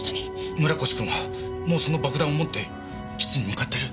村越君はもうその爆弾を持って基地に向かってる？